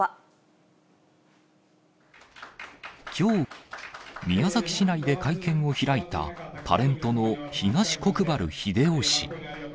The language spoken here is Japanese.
きょう、宮崎市内で会見を開いたタレントの東国原英夫氏。